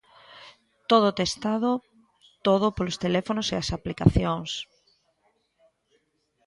Todo testado todo polos teléfonos e as aplicacións.